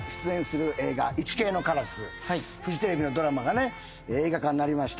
フジテレビのドラマが映画化になりました。